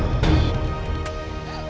aku akan menang